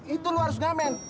itu lo harus ngamen